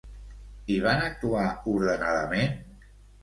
I van actuar ordenadament?